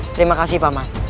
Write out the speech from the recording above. terima kasih paman